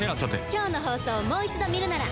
今日の放送をもう一度見るなら。